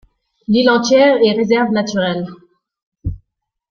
L'île entière est réserve naturelle.